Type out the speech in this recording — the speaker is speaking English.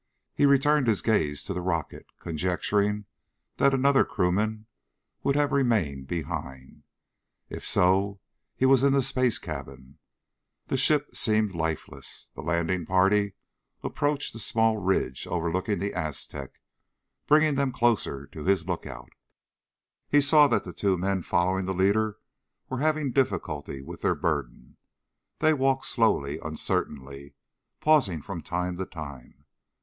He returned his gaze to the rocket, conjecturing that another crewman would have remained behind. If so, he was in the space cabin. The ship seemed lifeless. The landing party approached a small ridge overlooking the Aztec, bringing them closer to his lookout. He saw that the two men following the leader were having difficulty with their burden. They walked slowly, uncertainly, pausing from time to time.